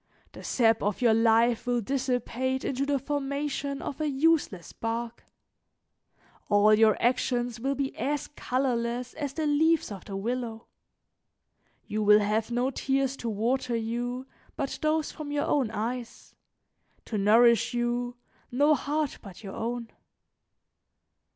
The sap of your life will dissipate into the formation of a useless bark; all your actions will be as colorless as the leaves of the willow; you will have no tears to water you, but those from your own eyes, to nourish you, no heart but your own.